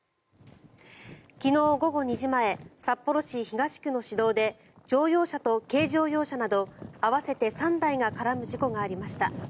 昨日午後２時前札幌市東区の市道で乗用車と軽乗用車など合わせて３台が絡む事故がありました。